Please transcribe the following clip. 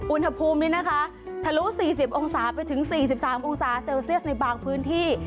อุณหภูมินี้นะคะทะลุ๔๐องศาไปถึง๔๓องศาเซลเซียสในบางพื้นที่